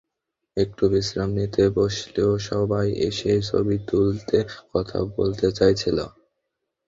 একটু বিশ্রাম নিতে বসলেও সবাই এসে ছবি তুলতে, কথা বলতে চাইছিল।